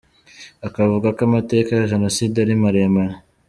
Akavuga ko amateka ya Jenoside ari mareremare.